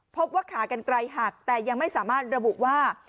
พบว่าขากันไกลหักแต่ยังไม่สามารถระบุว่า